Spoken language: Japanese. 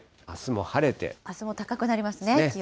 あすも高くなりますね、気温。